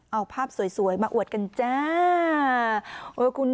เอาภาพสวยมาอวดกันจ้า